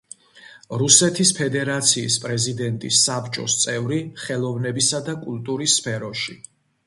რუსეთის ფედერაციის პრეზიდენტის საბჭოს წევრი ხელოვნებისა და კულტურის სფეროში.